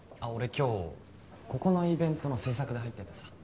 今日ここのイベントの制作で入っててさ。